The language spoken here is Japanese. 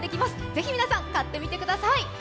ぜひ皆さん、買ってみてください。